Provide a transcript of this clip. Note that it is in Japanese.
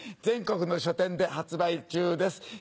全国の書店で発売中です。